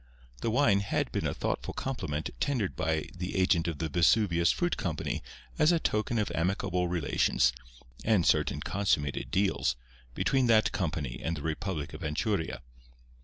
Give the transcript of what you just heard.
The wine had been a thoughtful compliment tendered by the agent of the Vesuvius Fruit Company as a token of amicable relations—and certain consummated deals—between that company and the republic of Anchuria.